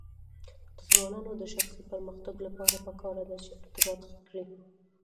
د ځوانانو د شخصي پرمختګ لپاره پکار ده چې ارتباط ښه کړي.